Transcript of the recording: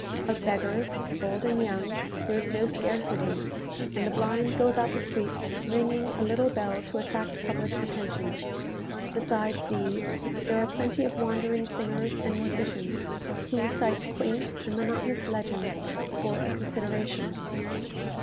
Of beggars, old and young, there is no scarcity; and the blind go about the streets ringing a little bell to attract public attention. Besides these, there are plenty of wandering singers and musicians, who recite quaint and monotonous legends "for a consideration."